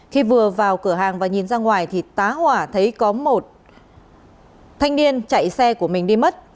khi vừa vào cửa hàng và nhìn ra ngoài thì tá hỏa thấy có một thanh niên chạy xe của mình đi mất